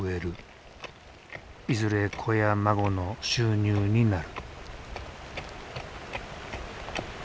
いずれ子や孫の収入になる。